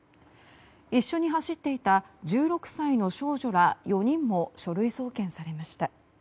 一緒に走っていた１６歳の少女ら４人も書類送検されました。